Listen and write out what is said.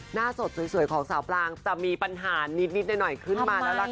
หน้าสดสวยของสาวปลางจะมีปัญหานิดหน่อยขึ้นมาแล้วล่ะค่ะ